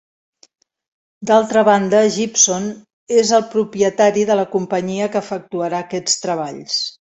D'altra banda, Gibson és el propietari de la companyia que efectuarà aquests treballs.